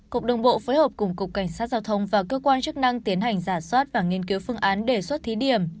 cục đường bộ phối hợp cùng cục cảnh sát giao thông và cơ quan chức năng tiến hành giả soát và nghiên cứu phương án đề xuất thí điểm